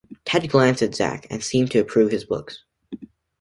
Ted glanced at Zack and seemed to approve his looks.